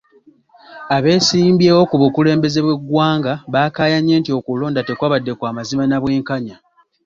Abeesimbyewo ku bukulembeze bw'eggwanga baakaayanye nti okulonda tekwabadde kw'amazima na bwenkanya.